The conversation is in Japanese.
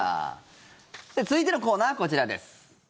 続いてのコーナーはこちらです。